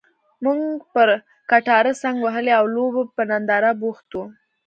موږ پر کټاره څنګ وهلي او لوبو په ننداره بوخت وو.